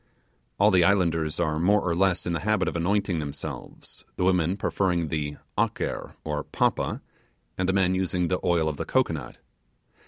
All the islanders are more or less in the habit of anointing themselves; the women preferring the 'aker' to 'papa', and the men using the oil of the cocoanut.